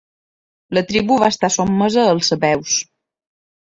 La tribu va estar sotmesa als sabeus.